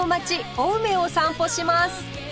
青梅を散歩します